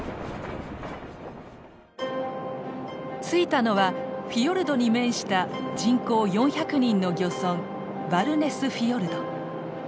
着いたのはフィヨルドに面した人口４００人の漁村ヴァルネスフィヨルド。